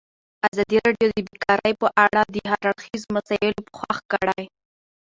ازادي راډیو د بیکاري په اړه د هر اړخیزو مسایلو پوښښ کړی.